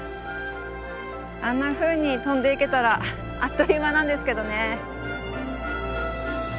あんなふうに飛んでいけたらあっという間なんですけどね。